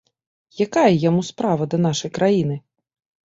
Якая яму справа да нашай краіны?